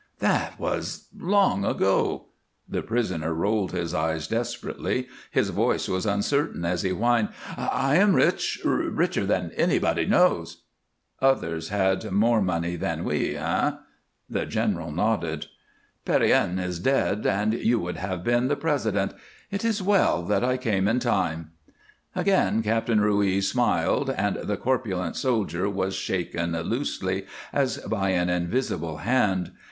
"That was long ago." The prisoner rolled his eyes desperately; his voice was uncertain as he whined, "I am rich richer than anybody knows." "Others had more money than we, eh?" The general nodded. "Pierrine is dead, and you would have been the President. It is well that I came in time." Again Captain Ruiz smiled, and the corpulent soldier was shaken loosely as by an invisible hand.